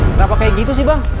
kenapa kayak gitu sih bang